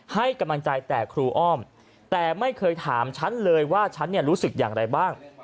ให้กำลังใจแต่ครูอ้อมแต่ไม่เคยถามฉันเลยว่าฉันรู้สึกอย่างไรบ้าง